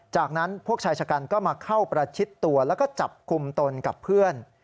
จากนั้นพวกชายชะกันก็มาเข้าประชิดตัวแล้วก็จับกลุ่มตนกับเพื่อน